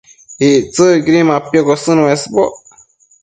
Ictsëcquidi mapiocosën uesboc